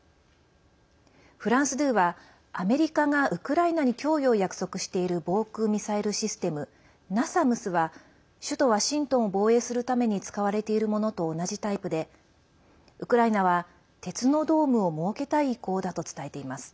フランス２はアメリカがウクライナに供与を約束している防空ミサイルシステム「ナサムス」は首都ワシントンを防衛するために使われているものと同じタイプでウクライナは鉄のドームを設けたい意向だと伝えています。